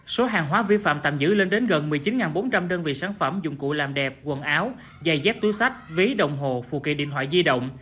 số hàng hóa vi phạm tạm giữ lên đến gần một mươi chín bốn trăm linh đơn vị sản phẩm dụng cụ làm đẹp quần áo giày dép túi sách ví đồng hồ phù kỳ điện thoại di động